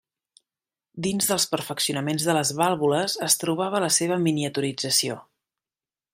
Dins dels perfeccionaments de les vàlvules es trobava la seva miniaturització.